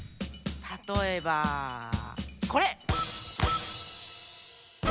たとえばこれ。